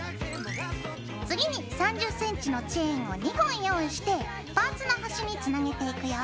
次に３０ｃｍのチェーンを２本用意してパーツの端につなげていくよ。